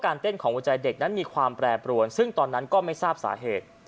เต้นของหัวใจเด็กนั้นมีความแปรปรวนซึ่งตอนนั้นก็ไม่ทราบสาเหตุ